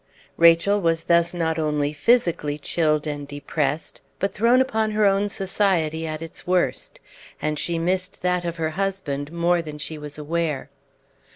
Rachel was thus not only physically chilled and depressed, but thrown upon her own society at its worst; and she missed that of her husband more than she was aware.